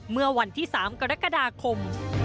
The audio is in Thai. เมื่อวันที่๓กรกฎาคม